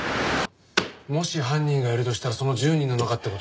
もし犯人がいるとしたらその１０人の中って事ですかね。